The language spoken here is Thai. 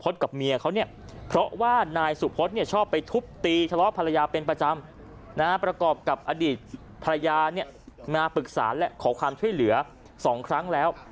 อดีตภรรยาเนี่ยมาปรึกษาแล้วขอความช่วยเหลือ๒ครั้งแล้ว